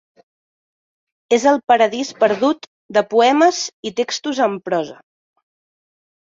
És el paradís perdut de poemes i textos en prosa.